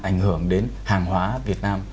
ảnh hưởng đến hàng hóa việt nam